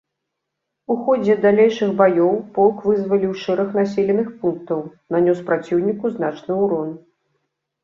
У ходзе далейшых баёў полк вызваліў шэраг населеных пунктаў, нанёс праціўніку значны ўрон.